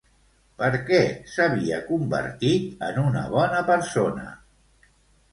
Per què s'havia convertit en una bona persona?